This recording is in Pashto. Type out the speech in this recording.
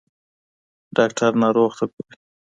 ډاکټر ناروغ ته ګوري.